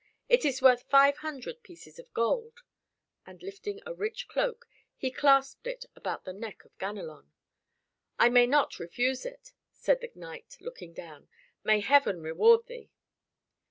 It is worth five hundred pieces of gold." And lifting a rich cloak, he clasped it about the neck of Ganelon. "I may not refuse it," said the knight, looking down. "May Heaven reward thee!"